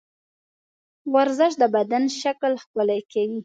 ورزش د بدن شکل ښکلی کوي.